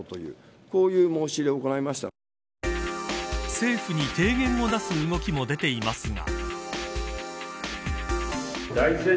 政府に提言を出す動きも出ていますが。